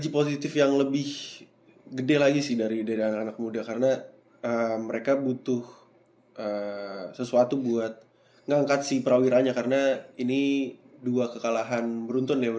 pandu juga gak akan mau nembak